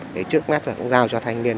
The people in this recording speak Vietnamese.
thì trước mắt cũng giao cho thanh niên